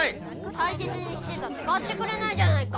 大切にしてたって買ってくれないじゃないか！